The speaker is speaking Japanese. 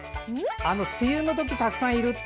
梅雨のとき、たくさんいるって。